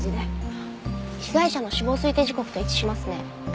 被害者の死亡推定時刻と一致しますね。